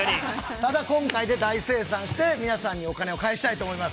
ただ今回で大精算して、皆さんにお金を返したいと思います。